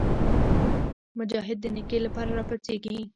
مجاهد د نیکۍ لپاره راپاڅېږي.